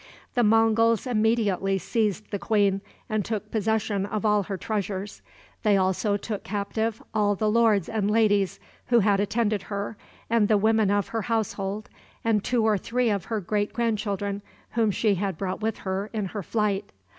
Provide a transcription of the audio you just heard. The Monguls immediately seized the queen, and took possession of all her treasures. They also took captive all the lords and ladies who had attended her, and the women of her household, and two or three of her great grandchildren, whom she had brought with her in her flight.